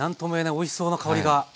おいしそうな香りが。